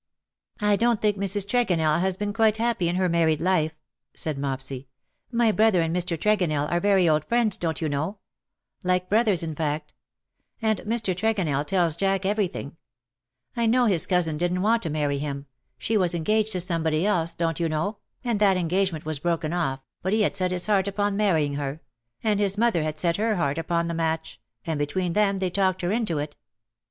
"I don't think Mrs.Tregonell has been quite happy in her married life,^^ said Mopsy. " My brother and Mr. Tregonell are very old friends, don't you know ; "time turns the old days to derision." 159 like brothers, in fact; and Mr. Tregonell tells Jack everything. I know his cousin didn't want to marry him — she was engaged to somebody else, don^t you know, and that engagement was broken off, but he had set his heart upon marrying her — and his mother had set her heart upon the match — and between them they talked her into it.